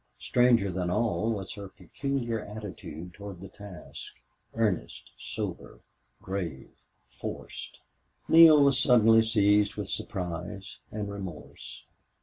Stranger than all was her peculiar attitude toward the task earnest, sober, grave, forced. Neale was suddenly seized with surprise and remorse.